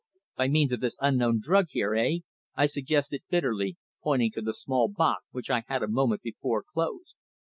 "By means of this unknown drug here eh?" I suggested bitterly, pointing to the small box which I had a moment before closed.